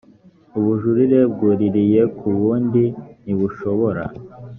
ubujurire bwuririye ku bundi ntibushobora